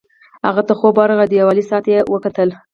هغه ته خوب ورغی او دیوالي ساعت ته یې وکتل